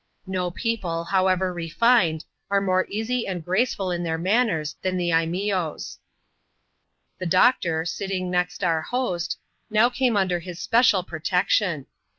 No people, however refined, are more easy and graceful in their manners than the Imeeose. The doctor, sitting next our host, now came under his special protection.